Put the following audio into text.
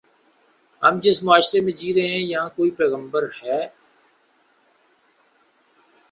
ہم جس معاشرے میں جی رہے ہیں، یہاں کوئی پیغمبر ہے۔